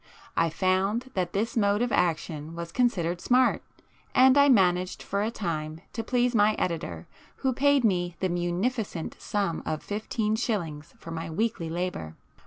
I found that this mode of action was considered 'smart,' and I managed for a time to please my editor who paid me the munificent sum of fifteen shillings for my weekly labour.